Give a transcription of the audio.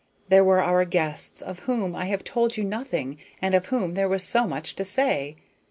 There were our guests, of whom I have told you nothing, and of whom there was so much to say.